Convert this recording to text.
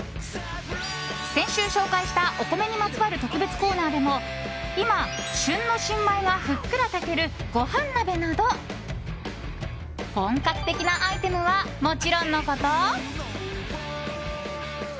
先週紹介したお米にまつわる特別コーナーでも今、旬の新米がふっくら炊けるご飯鍋など本格的なアイテムはもちろんのこと。